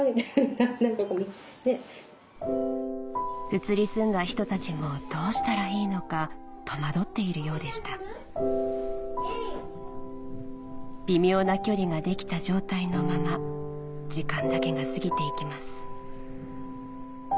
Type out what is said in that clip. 移り住んだ人たちもどうしたらいいのか戸惑っているようでした微妙な距離ができた状態のまま時間だけが過ぎていきます